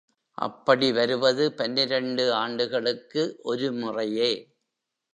அப்படி வருவது பன்னிரண்டு ஆண்டுகளுக்கு ஒரு முறையே.